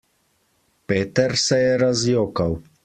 Peter se je razjokal.